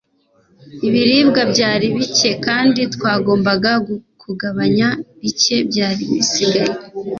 ibiribwa byari bike kandi twagombaga kugabanya bike byari bisigaye